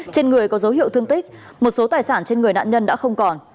trên người có dấu hiệu thương tích một số tài sản trên người nạn nhân đã không còn